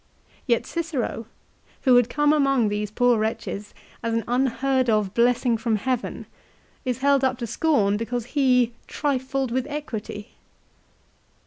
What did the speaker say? Yet Cicero, who had come among these poor wretches as an unheard of blessing from heaven, is held up to scorn because he " trifled with equity